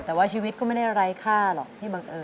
แต่ว่าชีวิตก็ไม่ได้ไร้ค่าหรอกที่บังเอิญ